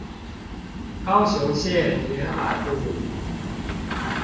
高雄縣沿海路